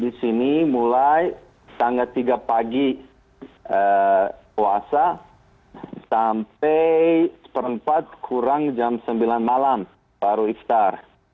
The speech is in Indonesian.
di sini mulai tanggal tiga pagi puasa sampai seperempat kurang jam sembilan malam baru ikhtar